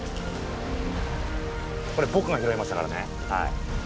これぼくが拾いましたからねはい。